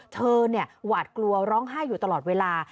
หวาดกลัวร้องไห้อยู่ตลอดเวลา